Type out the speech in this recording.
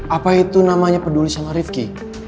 apa itu namanya peduli sama rifki